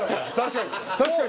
確かに。